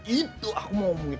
itu aku mau omongin